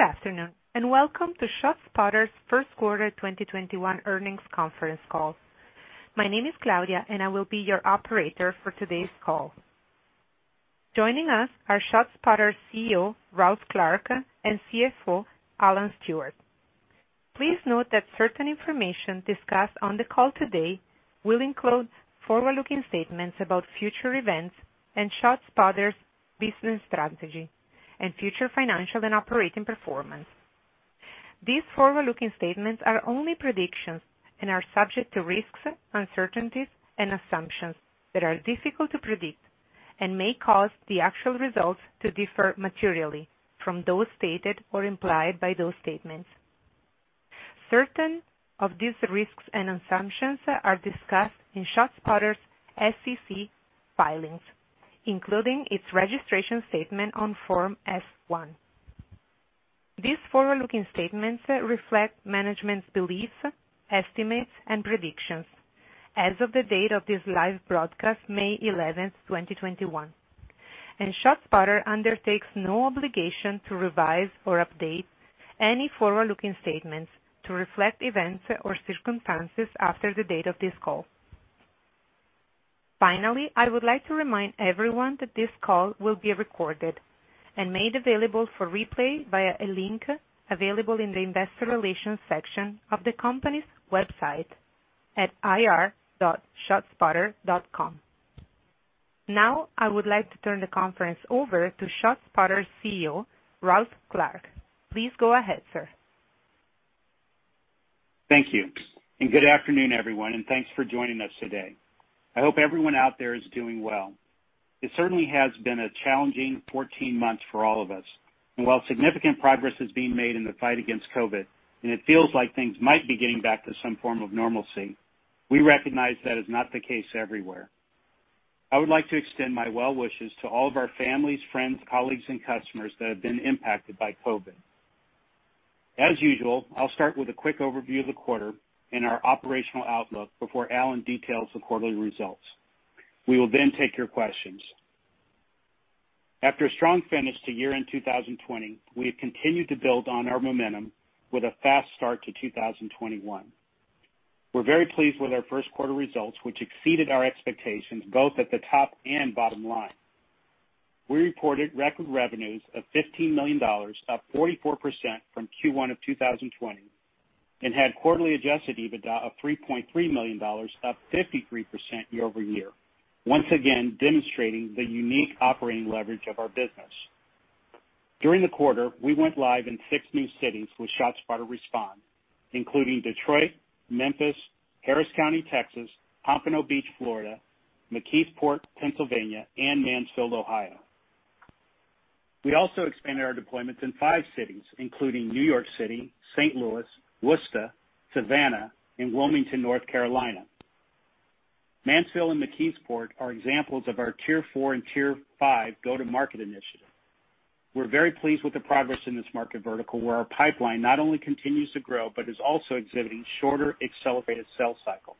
Good afternoon, and welcome to ShotSpotter's Q1 2021 earnings conference call. My name is Claudia, and I will be your operator for today's call. Joining us are ShotSpotter's CEO, Ralph Clark, and CFO, Alan Stewart. Please note that certain information discussed on the call today will include forward-looking statements about future events and ShotSpotter's business strategy and future financial and operating performance. These forward-looking statements are only predictions and are subject to risks, uncertainties, and assumptions that are difficult to predict and may cause the actual results to differ materially from those stated or implied by those statements. Certain of these risks and assumptions are discussed in ShotSpotter's SEC filings, including its registration statement on Form S-one. These forward-looking statements reflect management's beliefs, estimates, and predictions as of the date of this live broadcast, May 11th, 2021. ShotSpotter undertakes no obligation to revise or update any forward-looking statements to reflect events or circumstances after the date of this call. Finally, I would like to remind everyone that this call will be recorded and made available for replay via a link available in the investor relations section of the company's website at ir.shotspotter.com. Now, I would like to turn the conference over to ShotSpotter's CEO, Ralph Clark. Please go ahead, sir. Thank you. Good afternoon, everyone, and thanks for joining us today. I hope everyone out there is doing well. It certainly has been a challenging 14 months for all of us. While significant progress is being made in the fight against COVID, and it feels like things might be getting back to some form of normalcy, we recognize that is not the case everywhere. I would like to extend my well wishes to all of our families, friends, colleagues, and customers that have been impacted by COVID. As usual, I'll start with a quick overview of the quarter and our operational outlook before Alan details the quarterly results. We will then take your questions. After a strong finish to year-end 2020, we have continued to build on our momentum with a fast start to 2021. We're very pleased with our first quarter results, which exceeded our expectations both at the top and bottom line. We reported record revenues of $15 million, up 44% from Q1 of 2020, and had quarterly adjusted EBITDA of $3.3 million, up 53% year-over-year, once again demonstrating the unique operating leverage of our business. During the quarter, we went live in six new cities with ShotSpotter Respond, including Detroit, Memphis, Harris County, Texas, Pompano Beach, Florida, McKeesport, Pennsylvania, and Mansfield, Ohio. We also expanded our deployments in five cities, including New York City, St. Louis, Worcester, Savannah, and Wilmington, North Carolina. Mansfield and McKeesport are examples of our tier four and tier five go-to-market initiative. We're very pleased with the progress in this market vertical where our pipeline not only continues to grow but is also exhibiting shorter, accelerated sales cycles.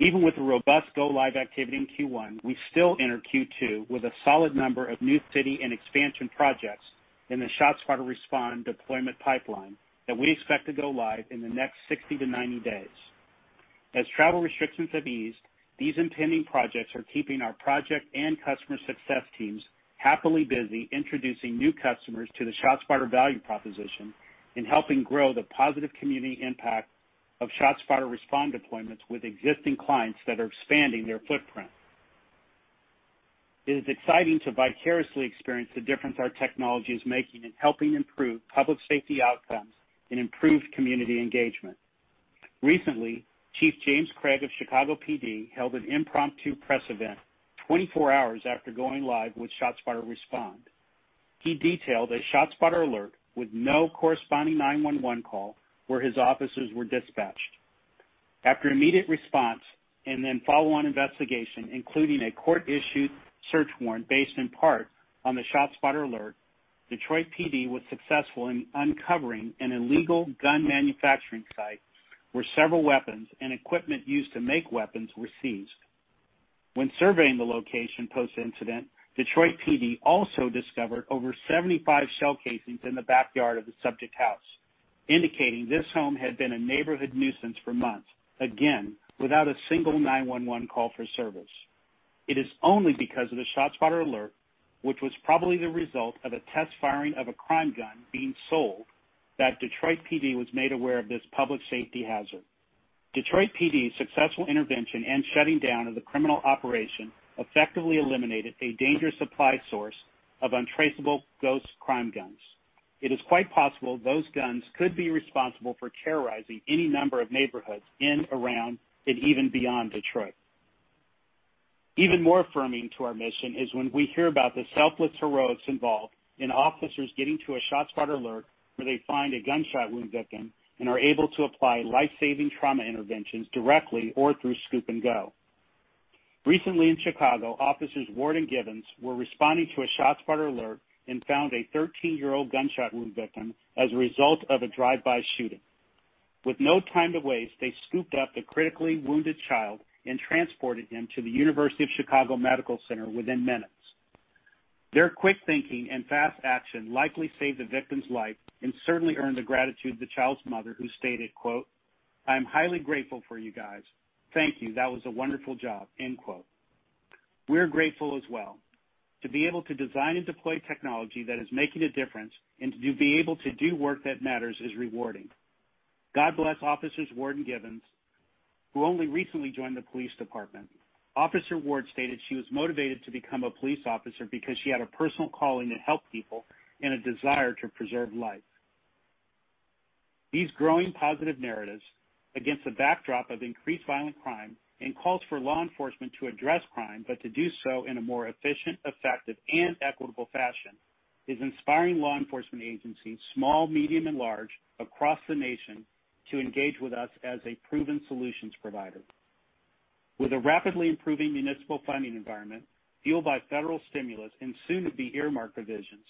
Even with the robust go live activity in Q1, we still enter Q2 with a solid number of new city and expansion projects in the ShotSpotter Respond deployment pipeline that we expect to go live in the next 60 - 90 days. As travel restrictions have eased, these impending projects are keeping our project and customer success teams happily busy introducing new customers to the ShotSpotter value proposition in helping grow the positive community impact of ShotSpotter Respond deployments with existing clients that are expanding their footprint. It is exciting to vicariously experience the difference our technology is making in helping improve public safety outcomes and improve community engagement. Recently, Chief James Craig of Detroit PD held an impromptu press event 24 hours after going live with ShotSpotter Respond. He detailed a ShotSpotter alert with no corresponding 911 call where his officers were dispatched. After immediate response and then follow-on investigation, including a court-issued search warrant based in part on the ShotSpotter alert, Detroit PD was successful in uncovering an illegal gun manufacturing site where several weapons and equipment used to make weapons were seized. When surveying the location post-incident, Detroit PD also discovered over 75 shell casings in the backyard of the subject house, indicating this home had been a neighborhood nuisance for months. Again, without a single 911 call for service. It is only because of the ShotSpotter alert, which was probably the result of a test firing of a crime gun being sold, that Detroit PD was made aware of this public safety hazard. Detroit PD's successful intervention and shutting down of the criminal operation effectively eliminated a dangerous supply source of untraceable ghost crime guns. It is quite possible those guns could be responsible for terrorizing any number of neighborhoods in, around, and even beyond Detroit. Even more affirming to our mission is when we hear about the selfless heroics involved in officers getting to a ShotSpotter alert where they find a gunshot wound victim and are able to apply life-saving trauma interventions directly or through scoop and go. Recently in Chicago, Officers Ward and Givens were responding to a ShotSpotter alert and found a 13-year-old gunshot wound victim as a result of a drive-by shooting. With no time to waste, they scooped up the critically wounded child and transported him to the University of Chicago Medical Center within minutes. Their quick thinking and fast action likely saved the victim's life and certainly earned the gratitude of the child's mother, who stated, quote, "I'm highly grateful for you guys. Thank you. That was a wonderful job. We're grateful as well. To be able to design and deploy technology that is making a difference and to be able to do work that matters is rewarding. God bless Officers Ward and Givens, who only recently joined the police department. Officer Ward stated she was motivated to become a police officer because she had a personal calling to help people and a desire to preserve life. These growing positive narratives against a backdrop of increased violent crime and calls for law enforcement to address crime, but to do so in a more efficient, effective, and equitable fashion, is inspiring law enforcement agencies, small, medium, and large, across the nation to engage with us as a proven solutions provider. With a rapidly improving municipal funding environment fueled by federal stimulus and soon-to-be earmark provisions,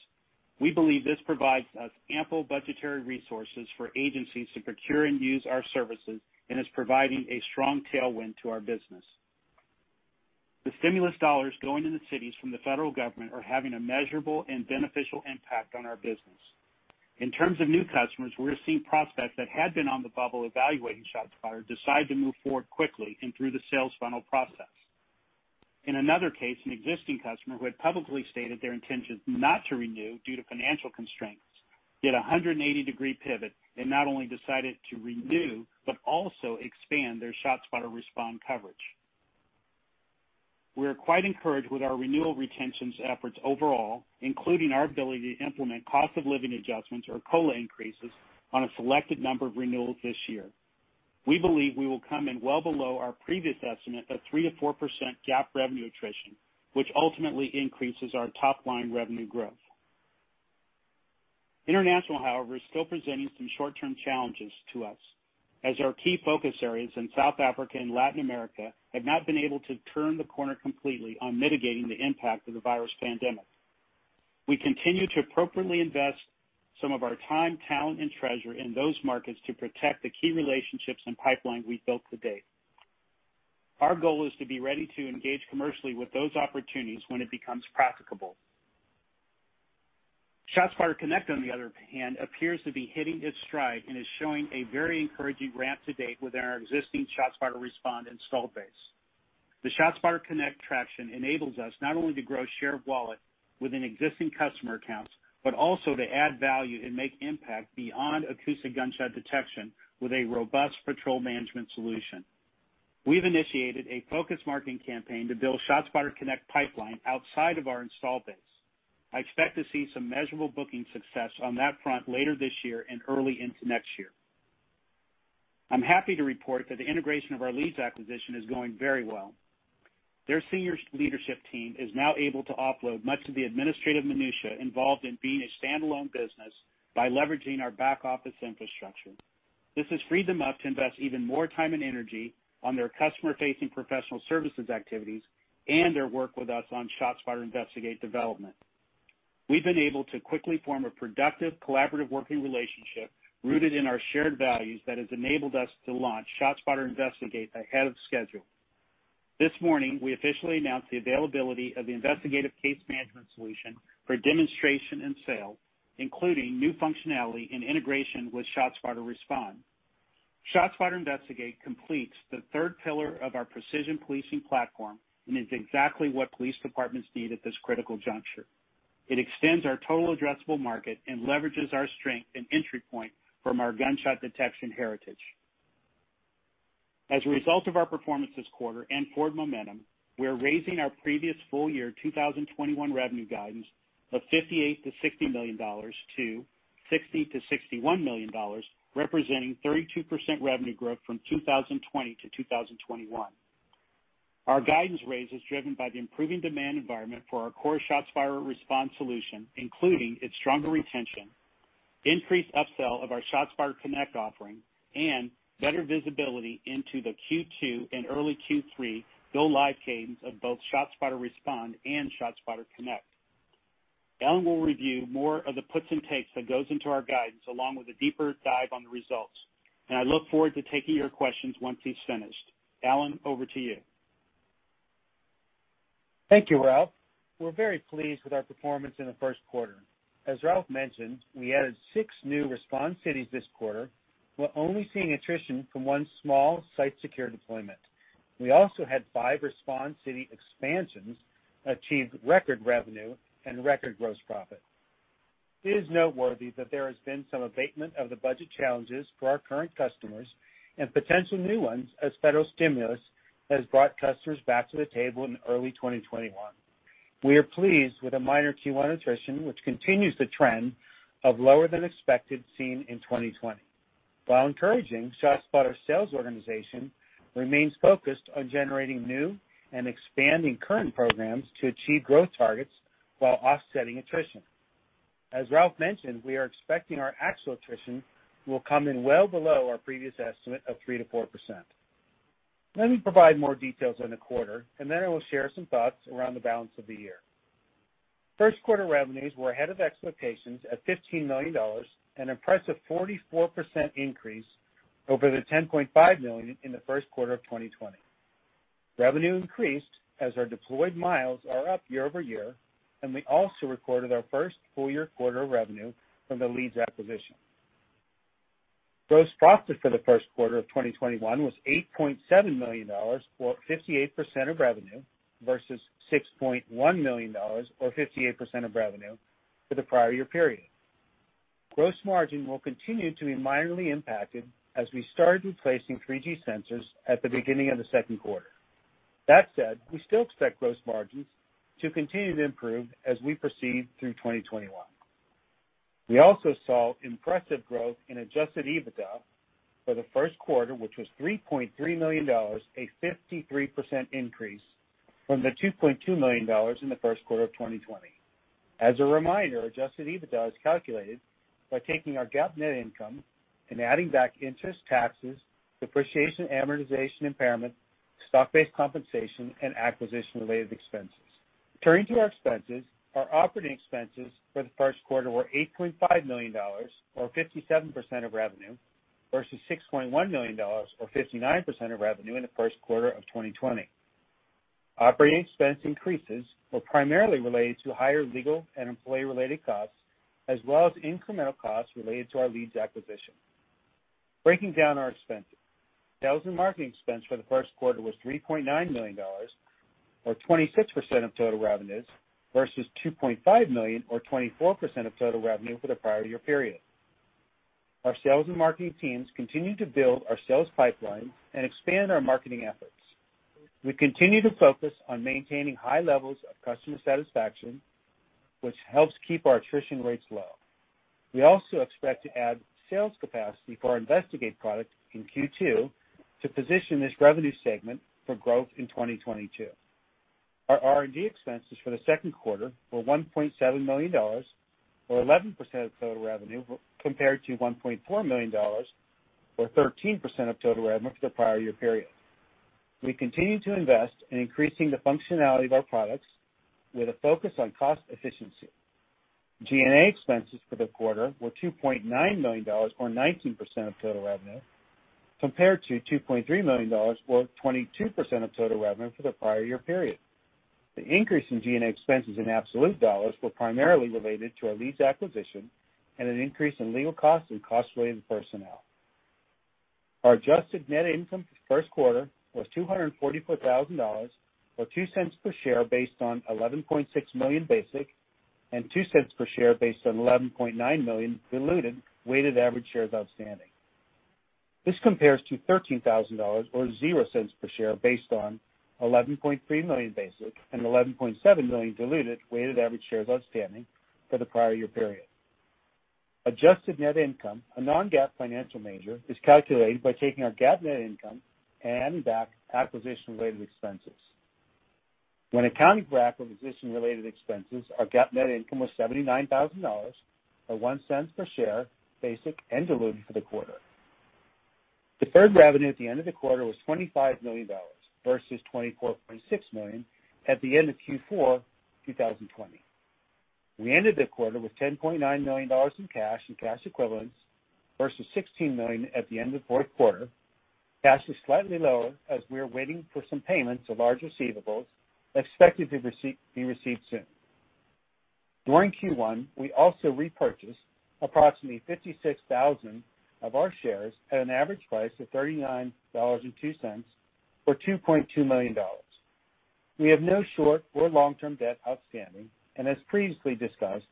we believe this provides us ample budgetary resources for agencies to procure and use our services and is providing a strong tailwind to our business. The stimulus dollars going into cities from the federal government are having a measurable and beneficial impact on our business. In terms of new customers, we're seeing prospects that had been on the bubble evaluating ShotSpotter decide to move forward quickly and through the sales funnel process. In another case, an existing customer who had publicly stated their intentions not to renew due to financial constraints did 180-degree pivot and not only decided to renew but also expand their ShotSpotter Respond coverage. We are quite encouraged with our renewal retentions efforts overall, including our ability to implement cost of living adjustments or COLA increases on a selected number of renewals this year. We believe we will come in well below our previous estimate of three percent-four percent GAAP revenue attrition, which ultimately increases our top-line revenue growth. International, however, is still presenting some short-term challenges to us, as our key focus areas in South Africa and Latin America have not been able to turn the corner completely on mitigating the impact of the virus pandemic. We continue to appropriately invest some of our time, talent, and treasure in those markets to protect the key relationships and pipeline we've built to date. Our goal is to be ready to engage commercially with those opportunities when it becomes practicable. ShotSpotter Connect, on the other hand, appears to be hitting its stride and is showing a very encouraging ramp to date within our existing ShotSpotter Respond installed base. The ShotSpotter Connect traction enables us not only to grow share of wallet within existing customer accounts, but also to add value and make impact beyond acoustic gunshot detection with a robust patrol management solution. We've initiated a focused marketing campaign to build ShotSpotter Connect pipeline outside of our install base. I expect to see some measurable booking success on that front later this year and early into next year. I'm happy to report that the integration of our Leeds acquisition is going very well. Their senior leadership team is now able to offload much of the administrative minutiae involved in being a standalone business by leveraging our back-office infrastructure. This has freed them up to invest even more time and energy on their customer-facing professional services activities and their work with us on ShotSpotter Investigate development. We've been able to quickly form a productive, collaborative working relationship rooted in our shared values that has enabled us to launch ShotSpotter Investigate ahead of schedule. This morning, we officially announced the availability of the investigative case management solution for demonstration and sale, including new functionality and integration with ShotSpotter Respond. ShotSpotter Investigate completes the third pillar of our precision policing platform and is exactly what police departments need at this critical juncture. It extends our total addressable market and leverages our strength and entry point from our gunshot detection heritage. As a result of our performance this quarter and forward momentum, we are raising our previous full-year 2021 revenue guidance of $58 million-$60 million to $60 million-$61 million, representing 32% revenue growth from 2020 to 2021. Our guidance raise is driven by the improving demand environment for our core ShotSpotter Respond solution, including its stronger retention, increased upsell of our ShotSpotter Connect offering, and better visibility into the Q2 and early Q3 go-live cadence of both ShotSpotter Respond and ShotSpotter Connect. Alan will review more of the puts and takes that goes into our guidance along with a deeper dive on the results. I look forward to taking your questions once he's finished. Alan, over to you. Thank you, Ralph. We're very pleased with our performance in the Q1. As Ralph mentioned, we added six new Respond cities this quarter while only seeing attrition from one small site secure deployment. We also had five Respond city expansions that achieved record revenue and record gross profit. It is noteworthy that there has been some abatement of the budget challenges for our current customers and potential new ones as federal stimulus has brought customers back to the table in early 2021. We are pleased with the minor Q1 attrition, which continues the trend of lower than expected seen in 2020. While encouraging, ShotSpotter sales organization remains focused on generating new and expanding current programs to achieve growth targets while offsetting attrition. As Ralph mentioned, we are expecting our actual attrition will come in well below our previous estimate of three percent-four percent. Let me provide more details on the quarter, and then I will share some thoughts around the balance of the year. Q1 revenues were ahead of expectations at $15 million, an impressive 44% increase over the $10.5 million in the Q1 of 2020. Revenue increased as our deployed miles are up year-over-year, and we also recorded our first full year quarter of revenue from the Leeds acquisition. Gross profit for the first quarter Q1 of 2021 was $8.7 million, or 58% of revenue, versus $6.1 million or 58% of revenue for the prior year period. Gross margin will continue to be minorly impacted as we start replacing 3G sensors at the beginning of the Q2. That said, we still expect gross margins to continue to improve as we proceed through 2021. We also saw impressive growth in adjusted EBITDA for the Q1, which was $3.3 million, a 53% increase from the $2.2 million in theQ1 of 2020. As a reminder, adjusted EBITDA is calculated by taking our GAAP net income and adding back interest, taxes, depreciation, amortization, impairment, stock-based compensation, and acquisition related expenses. Turning to our expenses, our operating expenses for the Q1 were $8.5 million, or 57% of revenue, versus $6.1 million or 59% of revenue in the Q1 of 2020. Operating expense increases were primarily related to higher legal and employee related costs, as well as incremental costs related to our Leeds acquisition. Breaking down our expenses. Sales and marketing expense for the Q1 was $3.9 million, or 26% of total revenues, versus $2.5 million or 24% of total revenue for the prior year period. Our sales and marketing teams continue to build our sales pipeline and expand our marketing efforts. We continue to focus on maintaining high levels of customer satisfaction, which helps keep our attrition rates low. We also expect to add sales capacity for our Investigate product in Q2 to position this revenue segment for growth in 2022. Our R&D expenses for the Q2 were $1.7 million, or 11% of total revenue, compared to $1.4 million or 13% of total revenue for the prior year period. We continue to invest in increasing the functionality of our products with a focus on cost efficiency. G&A expenses for the quarter were $2.9 million, or 19% of total revenue, compared to $2.3 million or 22% of total revenue for the prior year period. The increase in G&A expenses in absolute dollars were primarily related to our Leeds acquisition and an increase in legal costs and cost related personnel. Our adjusted net income for the first quarter was $244,000, or $0.02 per share, based on 11.6 million basic and $0.02 per share based on 11.9 million diluted weighted average shares outstanding. This compares to $13,000 or $0.00 per share based on 11.3 million basic and 11.7 million diluted weighted average shares outstanding for the prior year period. Adjusted net income, a non-GAAP financial measure, is calculated by taking our GAAP net income and adding back acquisition related expenses. When accounting for acquisition related expenses, our GAAP net income was $79,000 or $0.01 per share, basic and diluted for the quarter. Deferred revenue at the end of the quarter was $25 million versus $24.6 million at the end of Q4 2020. We ended the quarter with $10.9 million in cash and cash equivalents versus $16 million at the end of the Q4. Cash is slightly lower as we are waiting for some payments of large receivables expected to be received soon. During Q1, we also repurchased approximately 56,000 of our shares at an average price of $39.02 or $2.2 million. We have no short or long-term debt outstanding, and as previously discussed,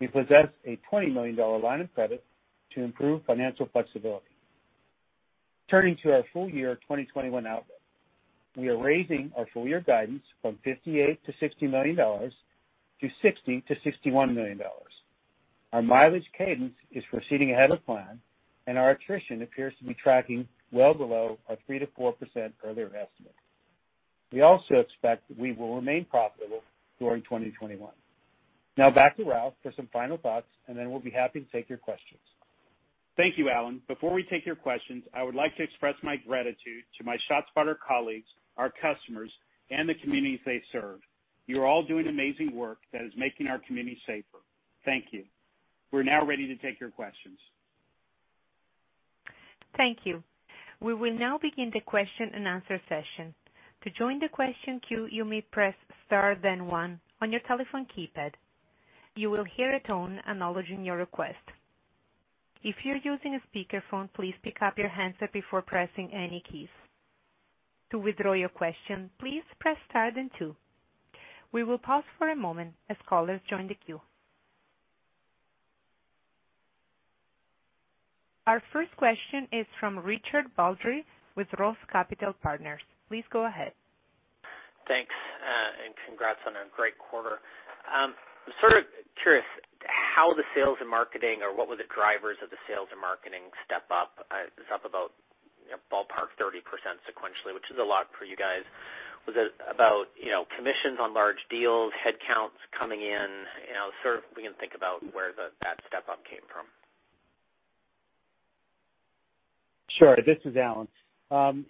we possess a $20 million line of credit to improve financial flexibility. Turning to our full year 2021 outlook. We are raising our full year guidance from $58 million-$60 million to $60 million-$61 million. Our mileage cadence is proceeding ahead of plan, and our attrition appears to be tracking well below our three percent-four percent earlier estimate. We also expect that we will remain profitable during 2021. Back to Ralph for some final thoughts, and then we'll be happy to take your questions. Thank you, Alan. Before we take your questions, I would like to express my gratitude to my ShotSpotter colleagues, our customers, and the communities they serve. You are all doing amazing work that is making our communities safer. Thank you. We're now ready to take your questions. Thank you. Our first question is from Richard Baldry with ROTH Capital Partners. Please go ahead. Thanks, and congrats on a great quarter. I'm sort of curious how the sales and marketing or what were the drivers of the sales and marketing step up. It's up about ballpark 30% sequentially, which is a lot for you guys. Was it about commissions on large deals, headcounts coming in? If we can think about where that step-up came from. Sure. This is Alan.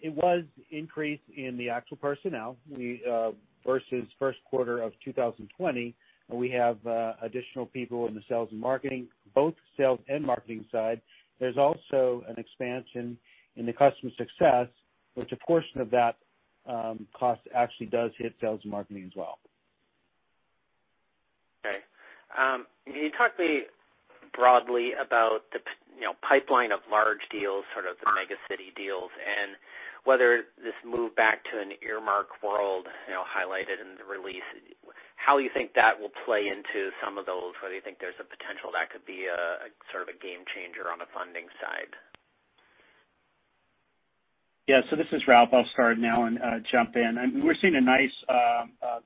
It was increase in the actual personnel versus Q1 of 2020. We have additional people in the sales and marketing, both sales and marketing side. There's also an expansion in the customer success, which a portion of that cost actually does hit sales and marketing as well. Okay. Can you talk broadly about the pipeline of large deals, sort of the megacity deals, and whether this move back to an earmark world, highlighted in the release, how you think that will play into some of those? Whether you think there's a potential that could be a sort of a game changer on the funding side? Yeah. This is Ralph. I'll start now and jump in. We're seeing a nice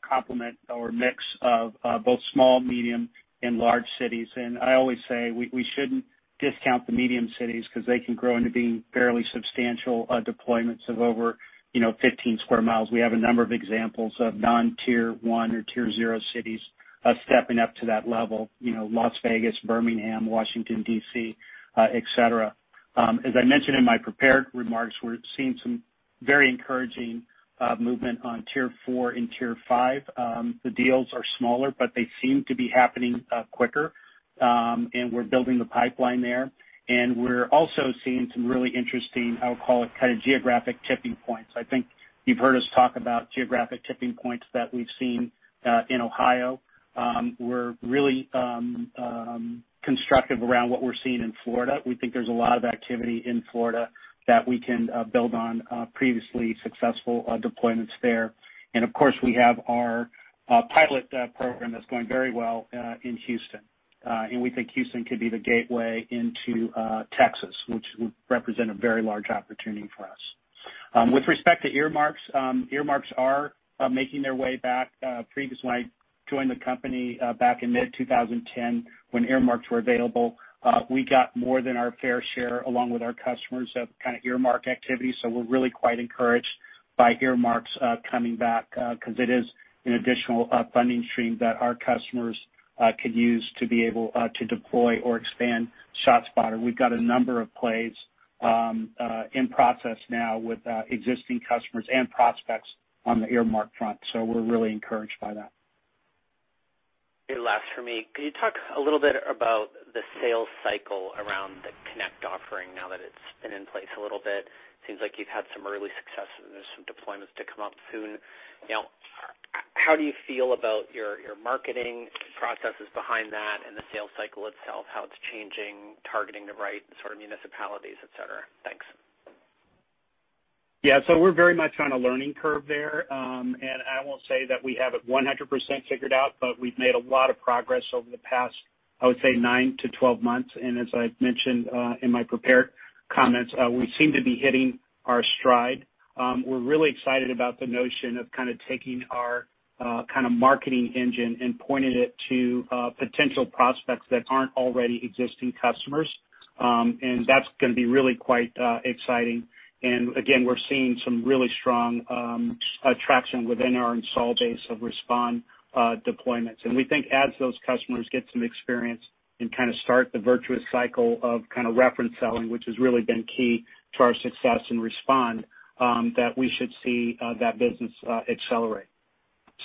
complement or mix of both small, medium, and large cities. I always say, we shouldn't discount the medium cities because they can grow into being fairly substantial deployments of over 15 square miles. We have a number of examples of non-tier 1 or tier 0 cities stepping up to that level, Las Vegas, Birmingham, Washington, D.C., et cetera. As I mentioned in my prepared remarks, we're seeing some very encouraging movement on tier 4 and tier 5. The deals are smaller, but they seem to be happening quicker. We're building the pipeline there. We're also seeing some really interesting, I'll call it kind of geographic tipping points. I think you've heard us talk about geographic tipping points that we've seen in Ohio. We're really constructive around what we're seeing in Florida. We think there's a lot of activity in Florida that we can build on previously successful deployments there. Of course, we have our pilot program that's going very well in Houston. We think Houston could be the gateway into Texas, which would represent a very large opportunity for us. With respect to earmarks are making their way back. Previously, when I joined the company back in mid-2010 when earmarks were available, we got more than our fair share along with our customers of earmark activity. We're really quite encouraged by earmarks coming back, because it is an additional funding stream that our customers could use to be able to deploy or expand ShotSpotter. We've got a number of plays in process now with existing customers and prospects on the earmark front, so we're really encouraged by that. Last for me. Could you talk a little bit about the sales cycle around the Connect offering now that it's been in place a little bit? Seems like you've had some early success and there's some deployments to come up soon. How do you feel about your marketing processes behind that and the sales cycle itself? How it's changing, targeting the right sort of municipalities, et cetera? Thanks. Yeah. We're very much on a learning curve there. I won't say that we have it 100% figured out, but we've made a lot of progress over the past, I would say, 9 - 12 months. As I've mentioned in my prepared comments, we seem to be hitting our stride. We're really excited about the notion of taking our marketing engine and pointing it to potential prospects that aren't already existing customers. That's going to be really quite exciting. Again, we're seeing some really strong attraction within our install base of Respond deployments. We think as those customers get some experience and start the virtuous cycle of reference selling, which has really been key to our success in Respond, that we should see that business accelerate.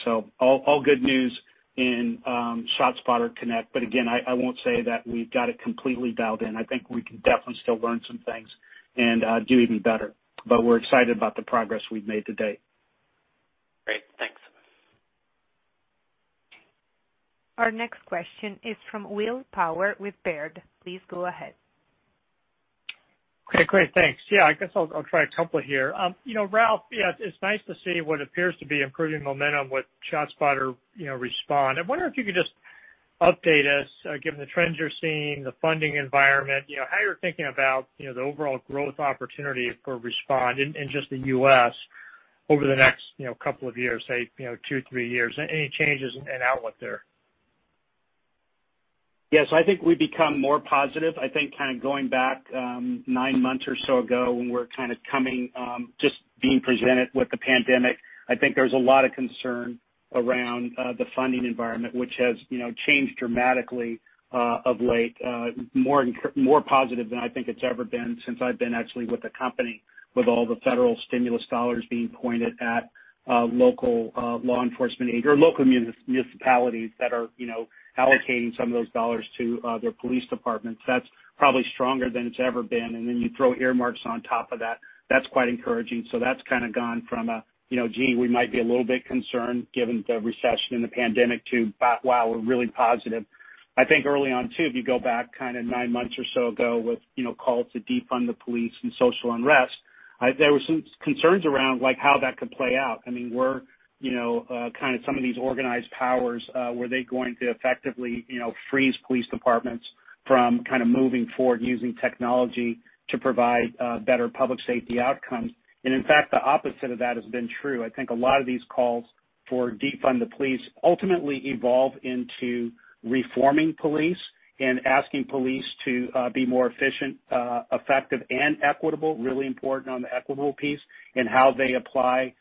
All good news in ShotSpotter Connect, but again, I won't say that we've got it completely dialed in. I think we can definitely still learn some things and do even better. We're excited about the progress we've made to date. Great. Thanks. Our next question is from William Power with Baird. Please go ahead. Okay, great. Thanks. I guess I'll try a couple here. Ralph, it's nice to see what appears to be improving momentum with ShotSpotter Respond. I wonder if you could just update us, given the trends you're seeing, the funding environment, how you're thinking about the overall growth opportunity for Respond in just the U.S. over the next couple of years, say two, three years. Any changes in outlook there? Yeah. I think we've become more positive. I think going back nine months or so ago when we were just being presented with the pandemic, I think there was a lot of concern around the funding environment, which has changed dramatically of late. More positive than I think it's ever been since I've been actually with the company, with all the federal stimulus dollars being pointed at local municipalities that are allocating some of those dollars to their police departments. That's probably stronger than it's ever been. You throw earmarks on top of that's quite encouraging. That's kind of gone from a "Gee, we might be a little bit concerned given the recession and the pandemic" to "Wow, we're really positive." I think early on too, if you go back nine months or so ago with calls to defund the police and social unrest, there were some concerns around how that could play out. I mean, were some of these organized powers, were they going to effectively freeze police departments from moving forward using technology to provide better public safety outcomes? In fact, the opposite of that has been true. I think a lot of these calls for defund the police ultimately evolve into reforming police and asking police to be more efficient, effective, and equitable. Really important on the equitable piece, and how they apply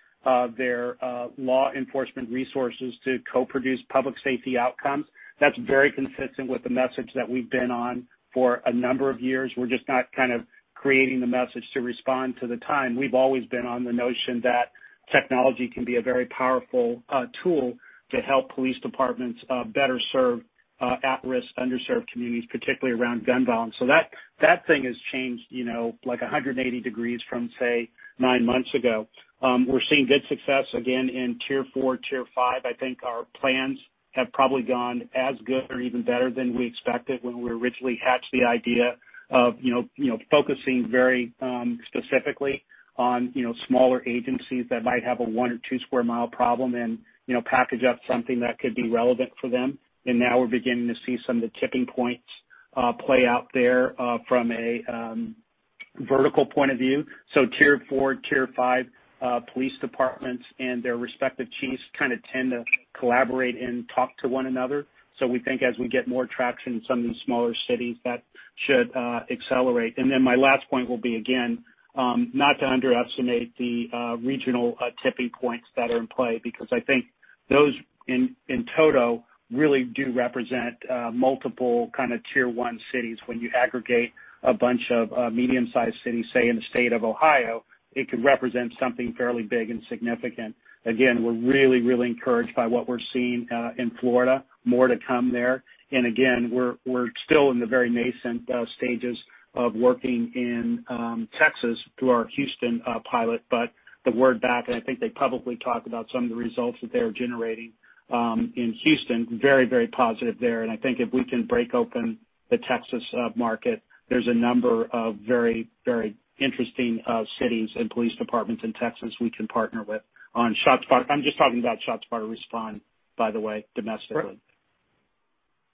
their law enforcement resources to co-produce public safety outcomes. That's very consistent with the message that we've been on for a number of years. We're just not creating the message to respond to the time. We've always been on the notion that technology can be a very powerful tool to help police departments better serve at-risk underserved communities, particularly around gun violence. That thing has changed like 180 degrees from, say, nine months ago. We're seeing good success again in tier four, tier five. I think our plans have probably gone as good or even better than we expected when we originally hatched the idea of focusing very specifically on smaller agencies that might have a one or two square mile problem and package up something that could be relevant for them. Now we're beginning to see some of the tipping points play out there from a vertical point of view. Tier four, tier five police departments and their respective chiefs kind of tend to collaborate and talk to one another. We think as we get more traction in some of these smaller cities, that should accelerate. My last point will be, again, not to underestimate the regional tipping points that are in play, because I think those in total really do represent multiple kind of tier one cities. When you aggregate a bunch of medium-sized cities, say in the state of Ohio, it could represent something fairly big and significant. Again, we're really, really encouraged by what we're seeing in Florida. More to come there. Again, we're still in the very nascent stages of working in Texas through our Houston pilot. The word back, and I think they publicly talked about some of the results that they are generating in Houston, very, very positive there. I think if we can break open the Texas market, there's a number of very interesting cities and police departments in Texas we can partner with on ShotSpotter. I'm just talking about ShotSpotter Respond, by the way, domestically.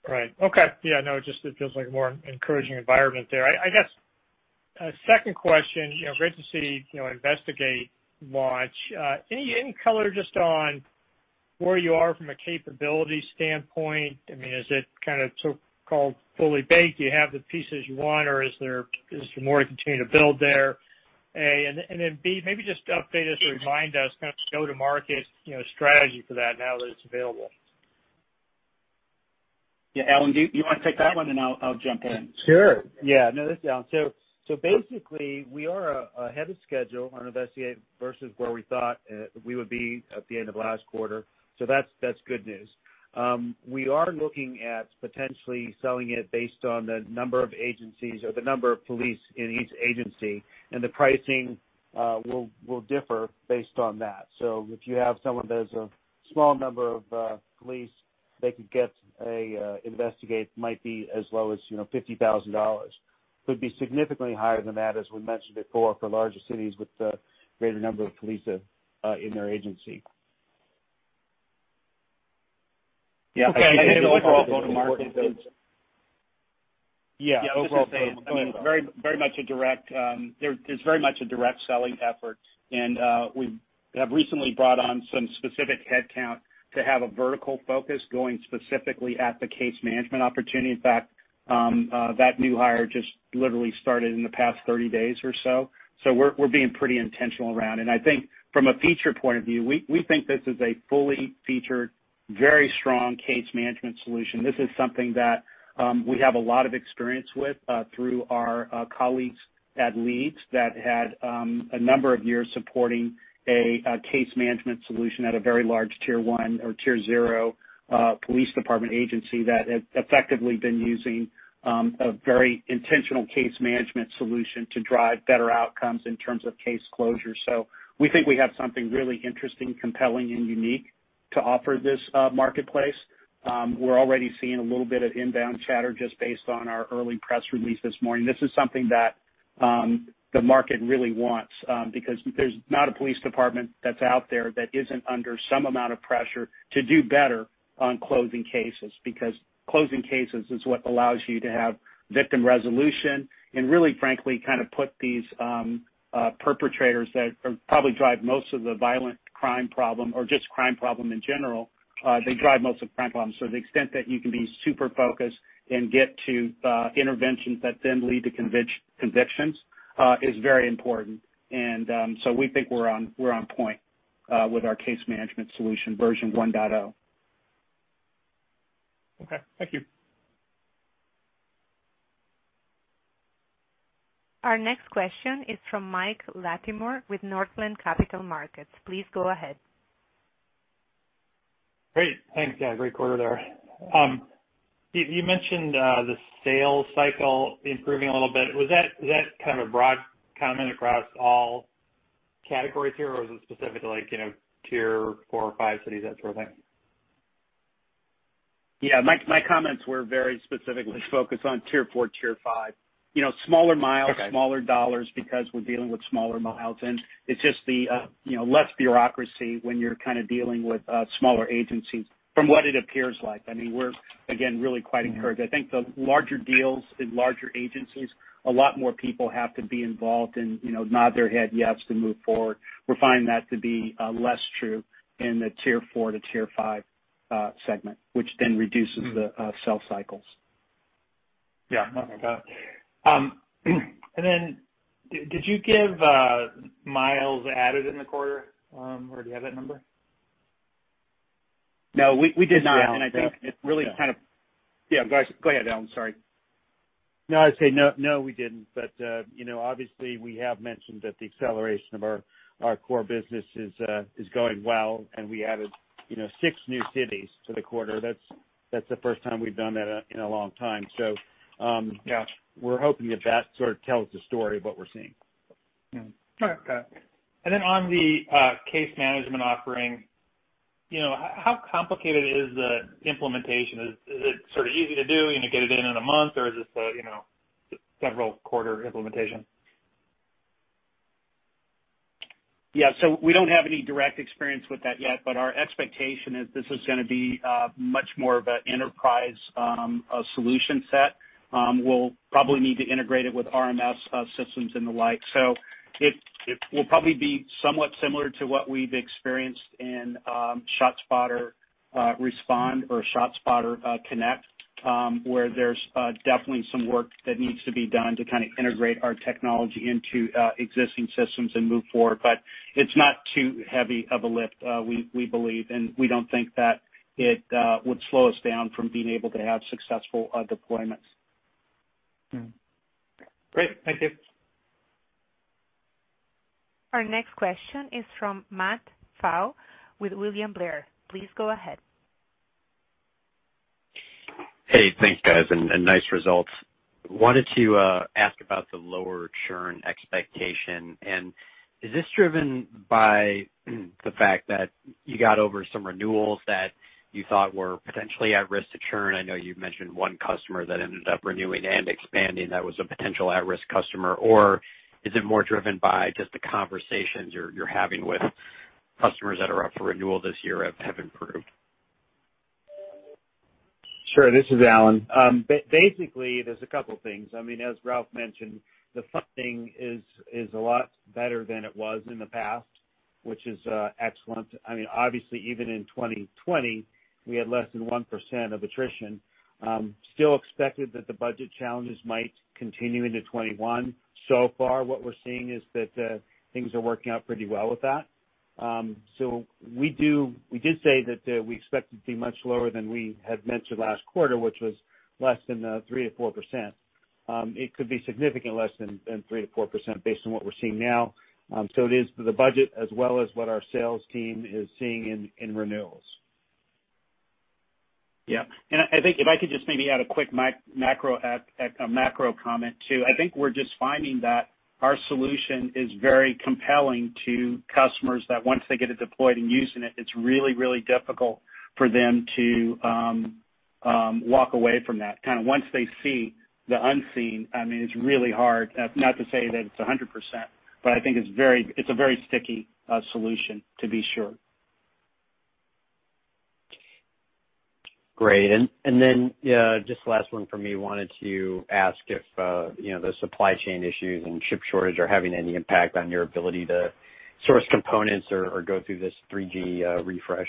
Right. Okay. Yeah, no, it just feels like a more encouraging environment there. I guess a second question, great to see Investigate launch. Any color just on where you are from a capability standpoint? Is it kind of so-called fully baked? Do you have the pieces you want, or is there more you continue to build there, A? B, maybe just update us or remind us kind of go-to-market strategy for that now that it's available. Yeah. Alan, do you want to take that one, and I'll jump in? Sure. Yeah, no, that's Yeah. Basically, we are ahead of schedule on Investigate versus where we thought we would be at the end of last quarter. That's good news. We are looking at potentially selling it based on the number of agencies or the number of police in each agency, and the pricing will differ based on that. If you have someone that has a small number of police, they could get Investigate might be as low as $50,000. Could be significantly higher than that, as we mentioned before, for larger cities with a greater number of police in their agency. Yeah. Okay. Overall go-to-market then? Overall go-to-market. There's very much a direct selling effort, and we have recently brought on some specific headcount to have a vertical focus going specifically at the case management opportunity. That new hire just literally started in the past 30 days or so. We're being pretty intentional around, and I think from a feature point of view, we think this is a fully featured, very strong case management solution. This is something that we have a lot of experience with through our colleagues at Leeds that had a number of years supporting a case management solution at a very large tier one or tier 0 police department agency that had effectively been using a very intentional case management solution to drive better outcomes in terms of case closure. We think we have something really interesting, compelling, and unique to offer this marketplace. We're already seeing a little bit of inbound chatter just based on our early press release this morning. This is something that the market really wants because there's not a police department that's out there that isn't under some amount of pressure to do better on closing cases. Closing cases is what allows you to have victim resolution and really, frankly, kind of put these perpetrators that probably drive most of the violent crime problem or just crime problem in general. They drive most of the crime problems. The extent that you can be super focused and get to interventions that then lead to convictions is very important. We think we're on point with our case management solution version 1.0. Okay. Thank you. Our next question is from Michael Latimore with Northland Capital Markets. Please go ahead. Great. Thanks. Yeah, great quarter there. You mentioned the sales cycle improving a little bit. Was that kind of a broad comment across all categories here, or was it specific to tier four or five cities, that sort of thing? Yeah, my comments were very specifically focused on tier four, tier five. Okay smaller dollars because we're dealing with smaller miles. It's just the less bureaucracy when you're kind of dealing with smaller agencies from what it appears like. We're, again, really quite encouraged. I think the larger deals in larger agencies, a lot more people have to be involved and nod their head yes to move forward. We're finding that to be less true in the tier four to tier five segment, which then reduces the sales cycles. Yeah. No, I got it. Did you give miles added in the quarter? Do you have that number? No, we did not. No. Yeah. I think it really kind of, Yeah, go ahead, Alan. Sorry. No, I'd say no, we didn't. Obviously, we have mentioned that the acceleration of our core business is going well, and we added six new cities to the quarter. That's the first time we've done that in a long time. Yeah we're hoping that that sort of tells the story of what we're seeing. Yeah. On the case management offering, how complicated is the implementation? Is it sort of easy to do, get it in in a month, or is this a several-quarter implementation? Yeah. We don't have any direct experience with that yet, but our expectation is this is gonna be much more of an enterprise solution set. We'll probably need to integrate it with RMS systems and the like. It will probably be somewhat similar to what we've experienced in ShotSpotter Respond or ShotSpotter Connect, where there's definitely some work that needs to be done to kind of integrate our technology into existing systems and move forward. It's not too heavy of a lift, we believe, and we don't think that it would slow us down from being able to have successful deployments. Great. Thank you. Our next question is from Matthew Pfau with William Blair. Please go ahead. Hey, thanks, guys, and nice results. Wanted to ask about the lower churn expectation, and is this driven by the fact that you got over some renewals that you thought were potentially at risk to churn? I know you've mentioned one customer that ended up renewing and expanding that was a potential at-risk customer. Is it more driven by just the conversations you're having with customers that are up for renewal this year have improved? Sure. This is Alan. Basically, there's a couple things. As Ralph mentioned, the funding is a lot better than it was in the past, which is excellent. Obviously, even in 2020, we had less than one percent of attrition. Still expected that the budget challenges might continue into 2021. So far, what we're seeing is that things are working out pretty well with that. We did say that we expect it to be much lower than we had mentioned last quarter, which was less than three percent-four percent. It could be significantly less than three percent-four percent. based on what we're seeing now. It is the budget as well as what our sales team is seeing in renewals. Yeah. I think if I could just maybe add a quick macro comment, too. I think we're just finding that our solution is very compelling to customers, that once they get it deployed and using it's really difficult for them to walk away from that. Kind of once they see the unseen, it's really hard. Not to say that it's 100%, but I think it's a very sticky solution, to be sure. Great. Just last one from me. Wanted to ask if the supply chain issues and chip shortage are having any impact on your ability to source components or go through this 3G refresh.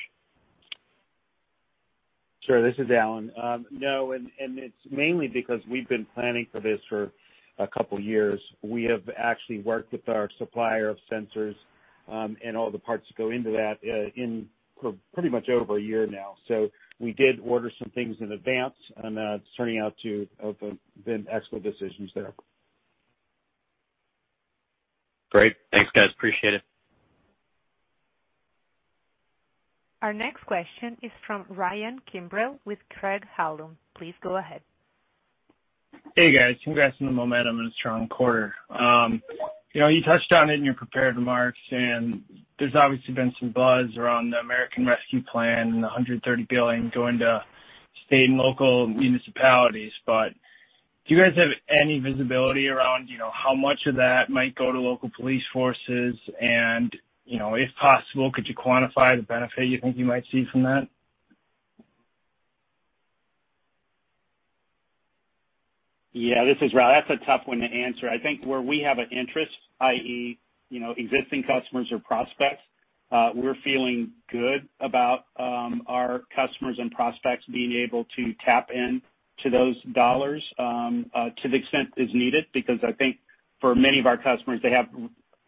Sure. This is Alan. No, it's mainly because we've been planning for this for a couple years. We have actually worked with our supplier of sensors, and all the parts that go into that, for pretty much over a year now. We did order some things in advance, and that's turning out to have been excellent decisions there. Great. Thanks, guys. Appreciate it. Our next question is from Ryan Sigdahl with Craig-Hallum. Please go ahead. Hey, guys. Congrats on the momentum and a strong quarter. You touched on it in your prepared remarks, and there's obviously been some buzz around the American Rescue Plan and the $130 billion going to state and local municipalities. Do you guys have any visibility around how much of that might go to local police forces? If possible, could you quantify the benefit you think you might see from that? Yeah, this is Ralph. That's a tough one to answer. I think where we have an interest, i.e., existing customers or prospects, we're feeling good about our customers and prospects being able to tap into those dollars to the extent it's needed. I think for many of our customers, they have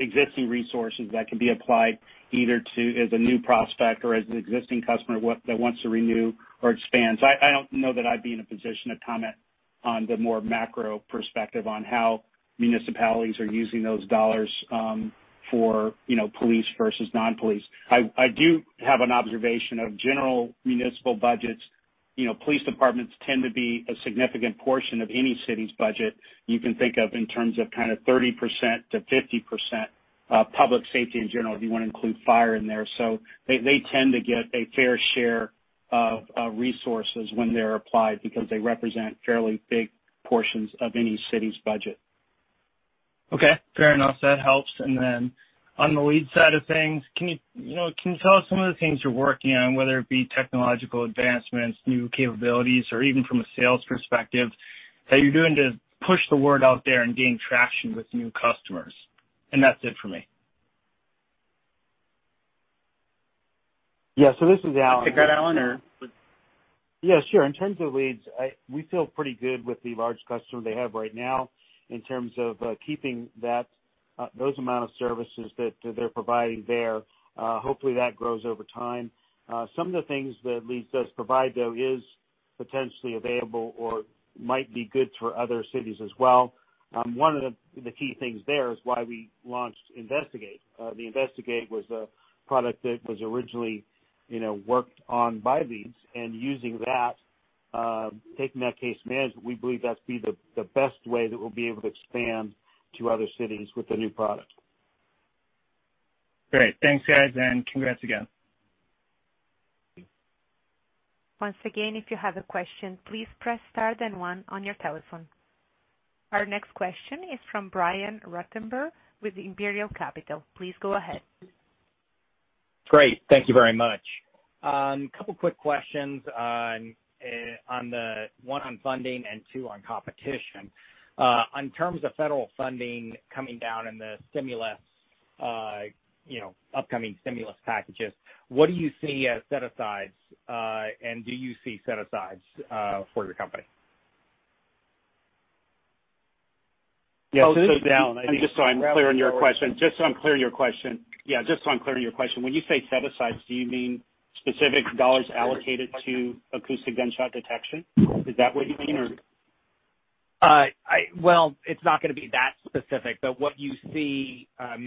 existing resources that can be applied either as a new prospect or as an existing customer that wants to renew or expand. I don't know that I'd be in a position to comment on the more macro perspective on how municipalities are using those dollars for police versus non-police. I do have an observation of general municipal budgets. Police departments tend to be a significant portion of any city's budget. You can think of in terms of 30%-50%, public safety in general, if you want to include fire in there. They tend to get a fair share of resources when they're applied because they represent fairly big portions of any city's budget. Okay. Fair enough. That helps. Then on the Leeds side of things, can you tell us some of the things you're working on, whether it be technological advancements, new capabilities, or even from a sales perspective, that you're doing to push the word out there and gain traction with new customers? That's it for me. Yeah. This is Alan. Take that, Alan? Yeah, sure. In terms of Leeds, we feel pretty good with the large customer that we have right now in terms of keeping Those amount of services that they're providing there, hopefully that grows over time. Some of the things that Leeds does provide, though, is potentially available or might be good for other cities as well. One of the key things there is why we launched Investigate. The Investigate was a product that was originally worked on by Leeds, and using that, taking that case management, we believe that's be the best way that we'll be able to expand to other cities with the new product. Great. Thanks, guys, and congrats again. Once again, if you have a question, please press star then one on your telephone. Our next question is from Brian Ruttenbur with Imperial Capital. Please go ahead. Great. Thank you very much. Couple quick questions on one on funding and two on competition. On terms of federal funding coming down in the upcoming stimulus packages, what do you see as set-asides, and do you see set-asides for your company? Yes. Alan- This is Alan. Just so I'm clear on your question. When you say set-asides, do you mean specific dollars allocated to acoustic gunshot detection? Is that what you mean, or? Well, it's not gonna be that specific. I've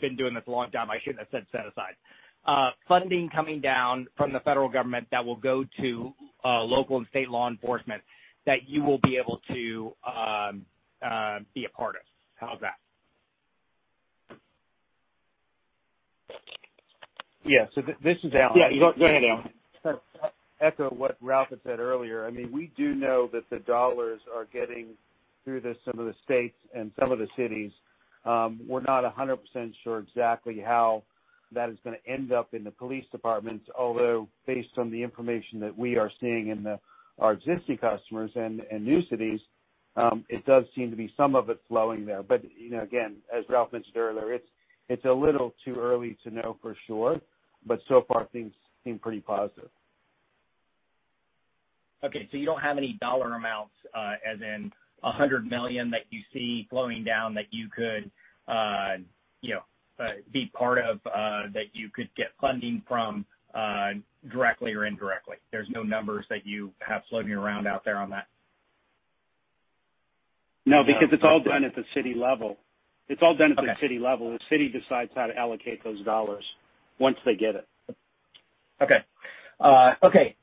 been doing this a long time, I shouldn't have said set-asides. Funding coming down from the federal government that will go to local and state law enforcement that you will be able to be a part of. How's that? Yeah. This is Alan. Yeah. Go ahead, Alan. Echo what Ralph had said earlier. We do know that the dollars are getting through to some of the states and some of the cities. We're not 100% sure exactly how that is gonna end up in the police departments, although based on the information that we are seeing in our existing customers and new cities, it does seem to be some of it flowing there. Again, as Ralph mentioned earlier, it's a little too early to know for sure, but so far things seem pretty positive. You don't have any dollar amounts, as in $100 million that you see flowing down that you could be part of, that you could get funding from directly or indirectly. There's no numbers that you have floating around out there on that? No, because it's all done at the city level. Okay. It's all done at the city level. The city decides how to allocate those dollars once they get it. Okay.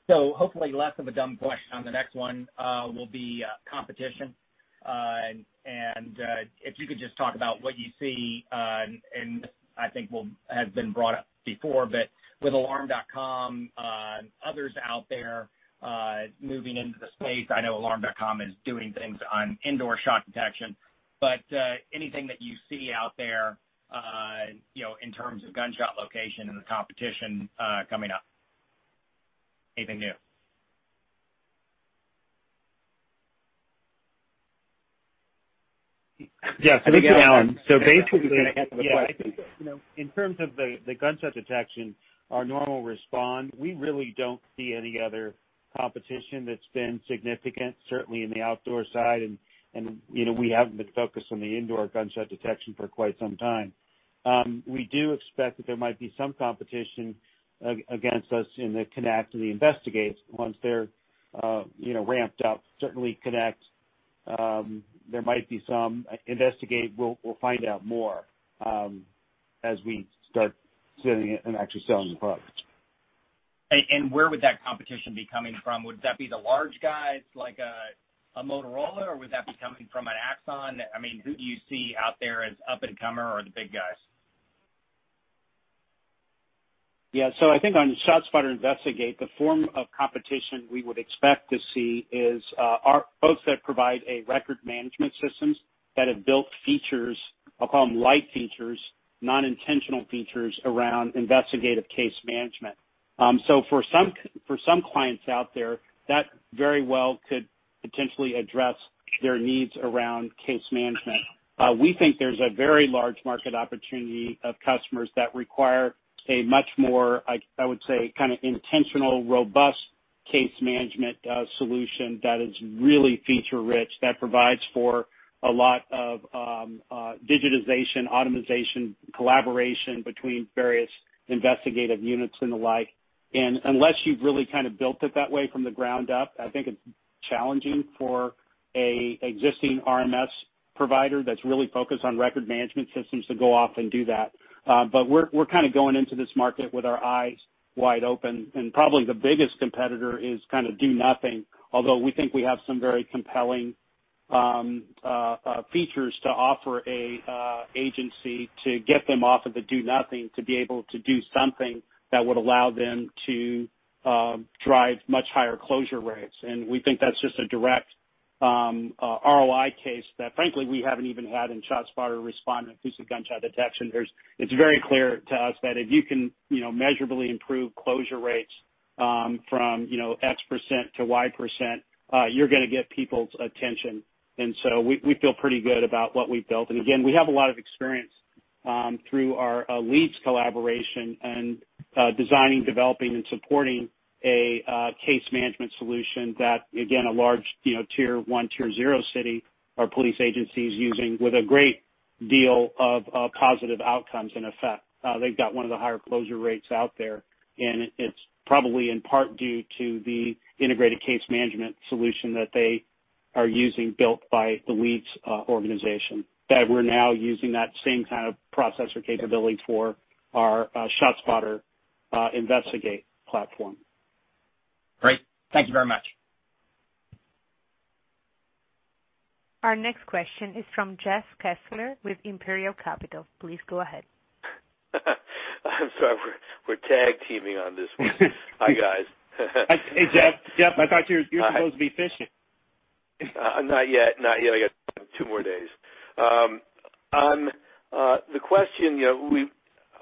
Hopefully less of a dumb question on the next one will be competition. If you could just talk about what you see, and this, I think will have been brought up before, but with Alarm.com and others out there moving into the space. I know Alarm.com is doing things on indoor shot detection. Anything that you see out there in terms of gunshot location and the competition coming up. Anything new? Yes. This is Alan. I think we kind of answered the question. In terms of the gunshot detection, our normal Respond, we really don't see any other competition that's been significant, certainly in the outdoor side, and we haven't been focused on the indoor gunshot detection for quite some time. We do expect that there might be some competition against us in the Connect and the Investigate once they're ramped up. Certainly Connect, there might be some. Investigate, we'll find out more as we start sending it and actually selling the product. Where would that competition be coming from? Would that be the large guys like a Motorola, or would that be coming from an Axon? Who do you see out there as up and comer or the big guys? Yeah. I think on ShotSpotter Investigate, the form of competition we would expect to see is folks that provide a record management systems that have built features, I'll call them light features, non-intentional features around investigative case management. For some clients out there, that very well could potentially address their needs around case management. We think there's a very large market opportunity of customers that require a much more, I would say, kind of intentional, robust case management solution that is really feature-rich, that provides for a lot of digitization, automatization, collaboration between various investigative units and the like. Unless you've really kind of built it that way from the ground up, I think it's challenging for a existing RMS provider that's really focused on record management systems to go off and do that. We're kind of going into this market with our eyes wide open, and probably the biggest competitor is kind of do nothing. Although, we think we have some very compelling features to offer an agency to get them off of the do nothing to be able to do something that would allow them to drive much higher closure rates. We think that's just a direct ROI case that frankly we haven't even had in ShotSpotter Respond, acoustic gunshot detection. It's very clear to us that if you can measurably improve closure rates from X% - Y%, you're gonna get people's attention. So we feel pretty good about what we've built. Again, we have a lot of experience Through our Leeds collaboration and designing, developing, and supporting a case management solution that, again, a large tier one, tier 0 city, our police agency is using with a great deal of positive outcomes in effect. They've got one of the higher closure rates out there, and it's probably in part due to the integrated case management solution that they are using, built by the Leeds organization. We're now using that same kind of processor capability for our ShotSpotter Investigate platform. Great. Thank you very much. Our next question is from Jeff Kessler with Imperial Capital. Please go ahead. I'm sorry. We're tag teaming on this one. Hi, guys. Hey, Jeff. I thought you were supposed to be fishing. Not yet. I got two more days. A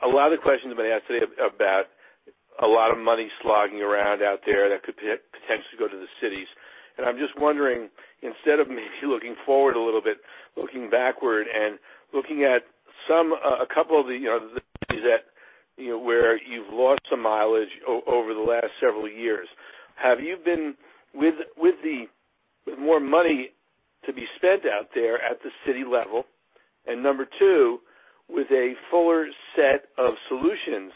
lot of the questions have been asked today about a lot of money slogging around out there that could potentially go to the cities, and I'm just wondering, instead of me looking forward a little bit, looking backward and looking at a couple of the cities where you've lost some mileage over the last several years. With more money to be spent out there at the city level, and number two, with a fuller set of solutions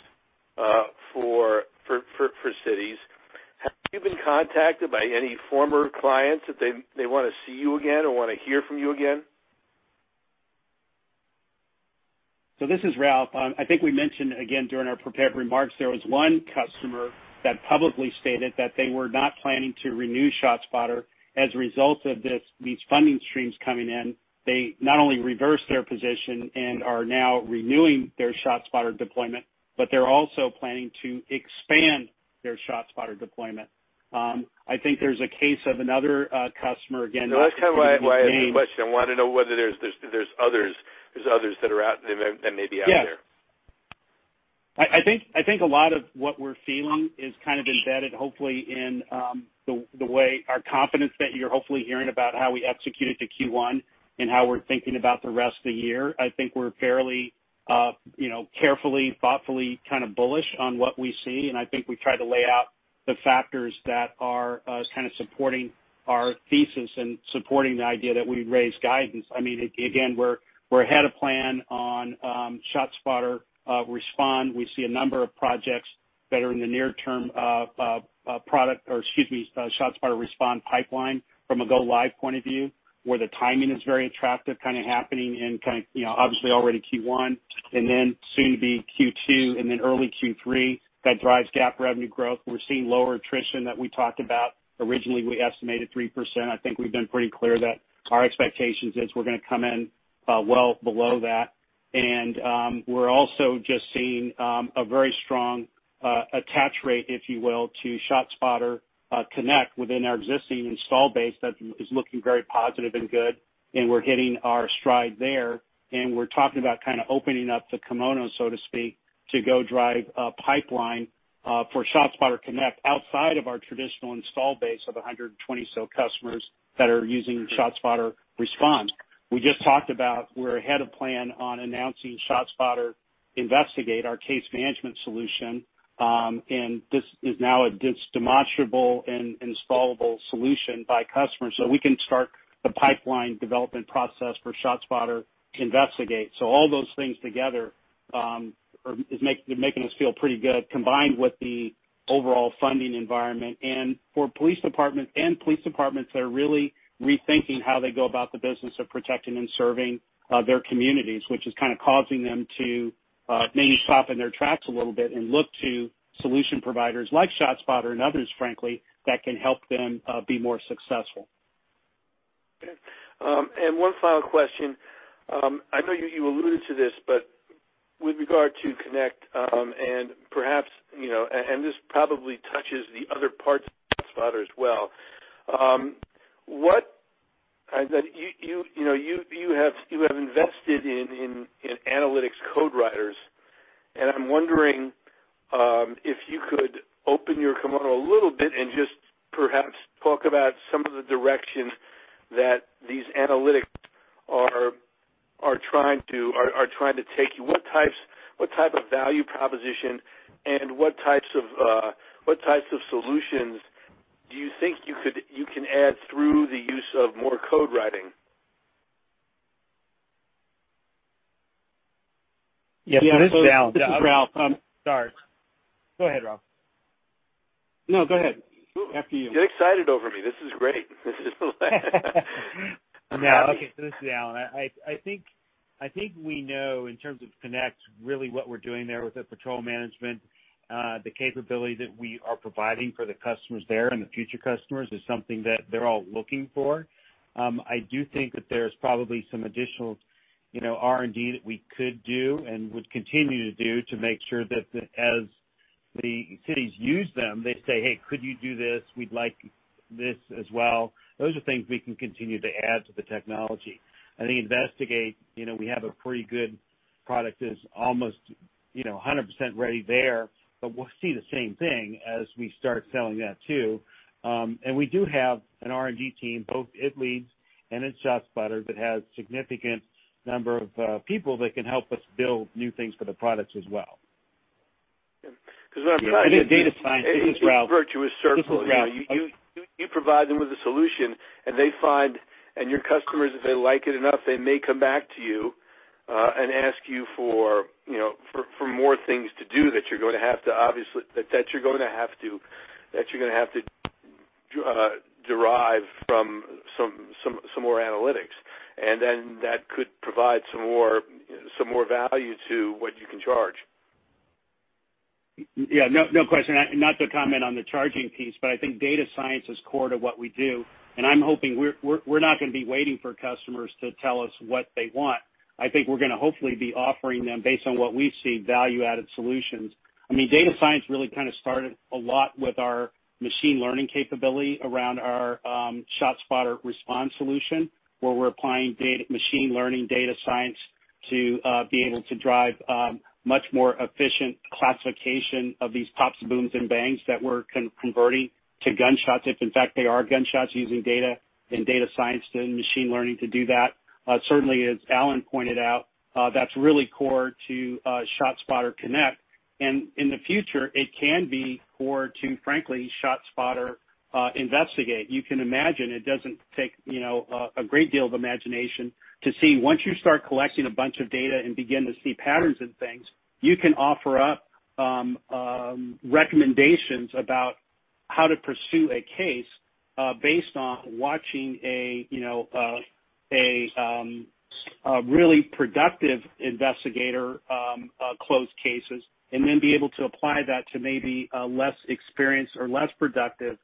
for cities, have you been contacted by any former clients that they want to see you again or want to hear from you again? This is Ralph. I think we mentioned again during our prepared remarks, there was one customer that publicly stated that they were not planning to renew ShotSpotter as a result of these funding streams coming in. They not only reversed their position and are now renewing their ShotSpotter deployment, but they're also planning to expand their ShotSpotter deployment. I think there's a case of another customer. No, that's kind of why I asked the question. I want to know whether there's others that may be out there. Yes. I think a lot of what we're feeling is kind of embedded, hopefully, in our confidence that you're hopefully hearing about how we executed the Q1 and how we're thinking about the rest of the year. I think we're fairly carefully, thoughtfully bullish on what we see, and I think we try to lay out the factors that are kind of supporting our thesis and supporting the idea that we raise guidance. Again, we're ahead of plan on ShotSpotter Respond. We see a number of projects that are in the near term of product, or excuse me, ShotSpotter Respond pipeline from a go live point of view, where the timing is very attractive, happening in obviously already Q1, and then soon to be Q2 and then early Q3. That drives GAAP revenue growth. We're seeing lower attrition that we talked about. Originally, we estimated three percent I think we've been pretty clear that our expectations is we're going to come in well below that, and we're also just seeing a very strong attach rate, if you will, to ShotSpotter Connect within our existing install base that is looking very positive and good, we're hitting our stride there. We're talking about kind of opening up the kimono, so to speak, to go drive a pipeline for ShotSpotter Connect outside of our traditional install base of 120 or so customers that are using ShotSpotter Respond. We just talked about we're ahead of plan on announcing ShotSpotter Investigate, our case management solution. This is now a demonstrable and installable solution by customers. We can start the pipeline development process for ShotSpotter Investigate. All those things together are making us feel pretty good, combined with the overall funding environment. For police departments that are really rethinking how they go about the business of protecting and serving their communities, which is kind of causing them to maybe stop in their tracks a little bit and look to solution providers like SoundThinking and others, frankly, that can help them be more successful. Okay. One final question. I know you alluded to this, but with regard to Connect, and this probably touches the other parts of ShotSpotter as well. You have invested in analytics code writers, and I'm wondering if you could open your kimono a little bit and just perhaps talk about some of the directions that these analytics are trying to take you. What type of value proposition and what types of solutions do you think you can add through the use of more code writing? Yes. This is Alan. Ralph, sorry. Go ahead, Ralph. No, go ahead. After you. Get excited over me. This is great. No. Okay, this is Alan. I think we know in terms of Connect, really what we're doing there with the patrol management, the capability that we are providing for the customers there and the future customers is something that they're all looking for. I do think that there's probably some additional R&D that we could do and would continue to do to make sure that as the cities use them, they say, "Hey, could you do this? We'd like this as well." Those are things we can continue to add to the technology. I think Investigate, we have a pretty good product that is almost 100% ready there, but we'll see the same thing as we start selling that too. We do have an R&D team, both at Leeds and at ShotSpotter, that has significant number of people that can help us build new things for the products as well. Because what I'm trying to- Data science, business routes- A virtuous circle. You provide them with a solution, and your customers, if they like it enough, they may come back to you, and ask you for more things to do that you're going to have to derive from some more analytics. That could provide some more value to what you can charge. Yeah. No question. Not to comment on the charging piece, but I think data science is core to what we do, and I'm hoping we're not going to be waiting for customers to tell us what they want. I think we're going to hopefully be offering them, based on what we see, value-added solutions. Data science really kind of started a lot with our machine learning capability around our ShotSpotter Respond solution, where we're applying machine learning data science to be able to drive much more efficient classification of these pops, booms, and bangs that we're converting to gunshots, if in fact they are gunshots, using data and data science and machine learning to do that. Certainly, as Alan pointed out, that's really core to ShotSpotter Connect. In the future, it can be core to, frankly, ShotSpotter Investigate. You can imagine, it doesn't take a great deal of imagination to see once you start collecting a bunch of data and begin to see patterns in things, you can offer up recommendations about how to pursue a case, based on watching a really productive investigator close cases, and then be able to apply that to maybe a less experienced or less productive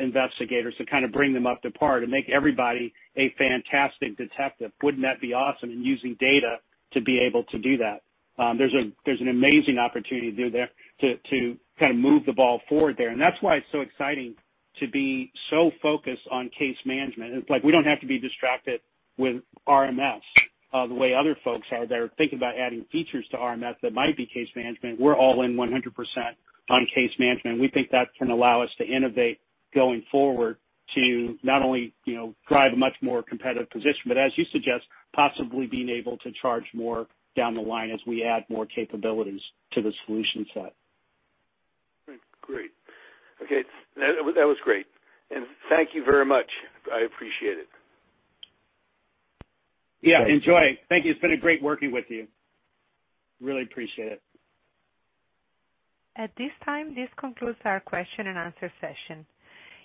investigator to kind of bring them up to par and make everybody a fantastic detective. Wouldn't that be awesome in using data to be able to do that. There's an amazing opportunity to do there, to kind of move the ball forward there. That's why it's so exciting to be so focused on case management. It's like we don't have to be distracted with RMS, the way other folks are that are thinking about adding features to RMS that might be case management. We're all in 100% on case management. We think that can allow us to innovate going forward to not only drive a much more competitive position, but as you suggest, possibly being able to charge more down the line as we add more capabilities to the solution set. Great. Okay. That was great. Thank you very much. I appreciate it. Yeah. Enjoy. Thank you. It's been great working with you. Really appreciate it. At this time, this concludes our question and answer session.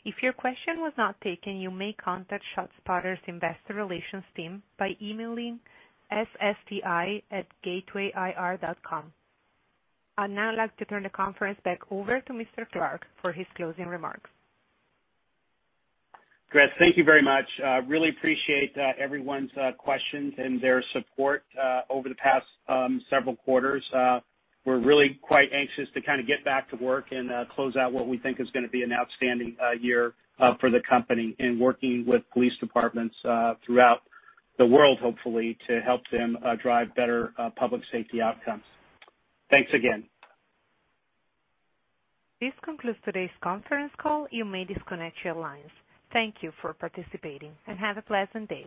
If your question was not taken, you may contact SoundThinking's investor relations team by emailing SSTI@gatewayir.com. I'd now like to turn the conference back over to Mr. Clark for his closing remarks. Great. Thank you very much. Really appreciate everyone's questions and their support over the past several quarters. We're really quite anxious to kind of get back to work and close out what we think is going to be an outstanding year for the company in working with police departments throughout the world, hopefully, to help them drive better public safety outcomes. Thanks again. This concludes today's conference call. You may disconnect your lines. Thank you for participating, and have a pleasant day.